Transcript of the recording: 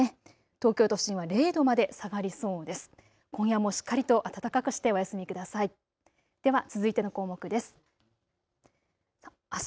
東京都心は０度まで下がりそうです。